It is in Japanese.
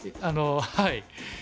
あのはい。